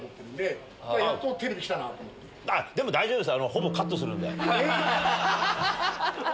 でも大丈夫です。